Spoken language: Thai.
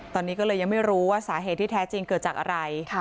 ตอนนี้ก็เลยยังไม่รู้ว่าสาเหตุที่แท้จริงเกิดจากอะไร